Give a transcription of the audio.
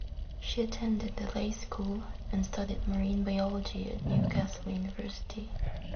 She attended The Leys School, and studied Marine Biology at Newcastle University.